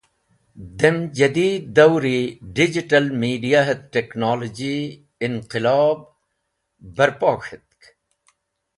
Dem Jadied Dauri Digital Media het Technologye Inqilob barpo k̃hetk.